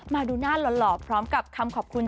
มาดูหน้าหล่อพร้อมกับคำขอบคุณ